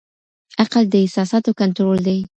عقل د احساساتو کنټرول دی.